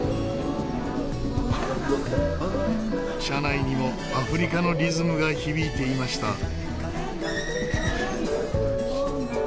車内にもアフリカのリズムが響いていました。